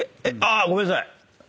あ！ごめんなさい。